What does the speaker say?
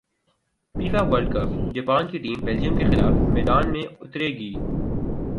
FIFA World Cup Japan کی team Belgium کیخلاف میدان میں اترے گی